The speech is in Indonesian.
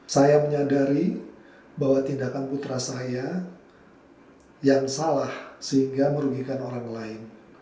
saya menyadari bahwa tindakan putra saya yang salah sehingga merugikan orang lain